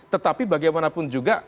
tetapi bagaimanapun juga